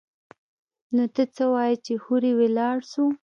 نو ته څه وايي چې هورې ولاړ سو.